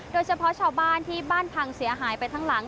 โดยเฉพาะชาวบ้านที่บ้านพังเสียหายไปทั้งหลัง